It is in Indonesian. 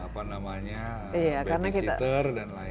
babysitter dan lain lain